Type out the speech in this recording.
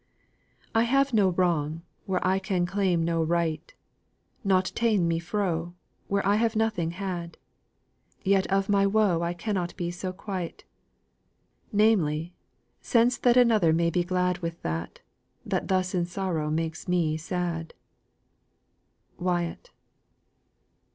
"I have no wrong, where I can claim no right, Naught ta'en me fro, where I have nothing had, Yet of my woe I cannot so be quite; Namely, since that another may be glad With that, that thus in sorrow makes me sad." WYATT.